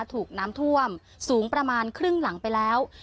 ถูกน้ำท่วมสูงประมาณครึ่งหลังไปแล้ว